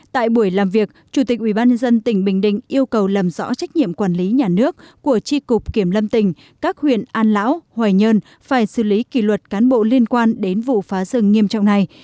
tại buổi làm việc chủ tịch ubnd tỉnh bình định yêu cầu làm rõ trách nhiệm quản lý nhà nước của tri cục kiểm lâm tỉnh các huyện an lão hoài nhơn phải xử lý kỷ luật cán bộ liên quan đến vụ phá rừng nghiêm trọng này